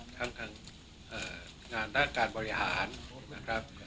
ทั้งงานทั้งการบริหาร